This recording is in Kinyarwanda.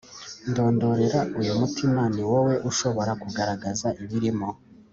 Ndondorera uyu mutima niwowe ushobora kugaragaza ibirimo